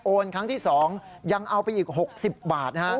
ครั้งที่๒ยังเอาไปอีก๖๐บาท